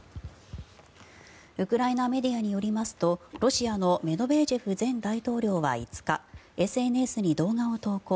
ウクライナメディアによりますとロシアのメドベージェフ前大統領は５日ＳＮＳに動画を投稿。